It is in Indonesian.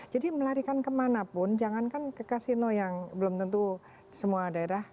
jadi melarikan kemana pun jangankan ke kasino yang belum tentu semua daerah